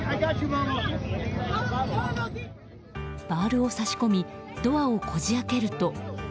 バールを差し込みドアをこじ開けると。